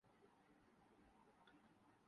کہاں اور کس کی لبرٹی؟